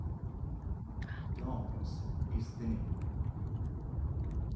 DARKNESS IS THINNING.